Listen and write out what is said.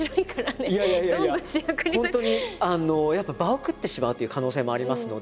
本当にやっぱ場を食ってしまうという可能性もありますので。